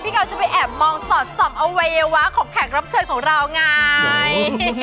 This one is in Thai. เขาจะไปแอบมองสอดส่องอวัยวะของแขกรับเชิญของเราไง